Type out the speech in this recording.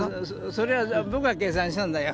それは僕が計算したんだよ。